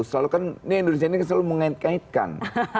selalu kan indonesia ini selalu mengait ngaitkan